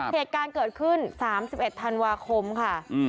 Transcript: เหตุการณ์เกิดขึ้น๓๑ธันวาคมค่ะ